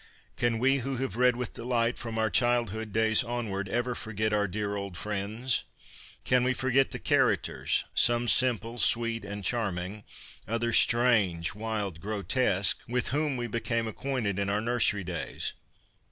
Can we who have read with delight from our childhood days onward ever forget our dear old friends ? Can we forget the characters, some simple, sweet, and 66 CONFESSIONS OF A BOOK LOVER charming; others strange, wild, grotesque, with whom we became acquainted in our nursery days